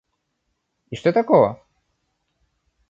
И что такого?